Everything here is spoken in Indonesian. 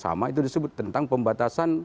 sama itu disebut tentang pembatasan